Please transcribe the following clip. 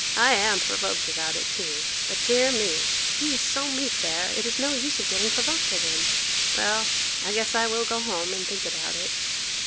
I am provoked about it too; but dear me! he is so meek there is no use of getting provoked at him. Well, I guess I will go home and think about it.